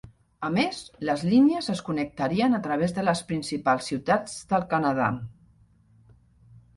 A més, les línies es connectarien a través de les principals ciutats del Canadà.